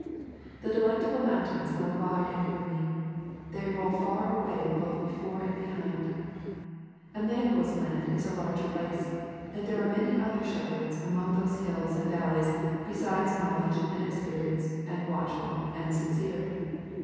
The Delectable Mountains are wide and roomy. They roll far away both before and behind. Immanuel's Land is a large place, and there are many other shepherds among those hills and valleys besides Knowledge and Experience and Watchful and Sincere.